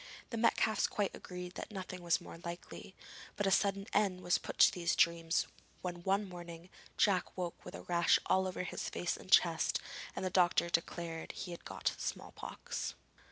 The Metcalfes quite agreed that nothing was more likely; but a sudden end was put to these dreams when one morning Jack woke with a rash all over his face and chest, and the doctor declared he had got small pox.